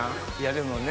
でもね